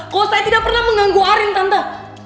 kalau saya tidak pernah mengganggu arim tante